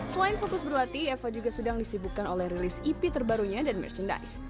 selain fokus berlatih eva juga sedang disibukkan oleh release ep terbarunya dan merchandise